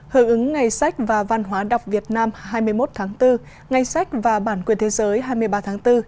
hợp ứng ngày sách và văn hóa đọc việt nam hai mươi một tháng bốn ngày sách và bản quyền thế giới hai mươi ba tháng bốn